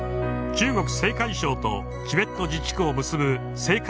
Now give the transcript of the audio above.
中国・青海省とチベット自治区を結ぶ青海